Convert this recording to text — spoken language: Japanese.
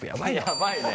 やばいね。